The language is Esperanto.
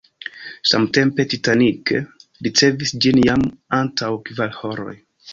Samtempe "Titanic" ricevis ĝin jam antaŭ kvar horoj.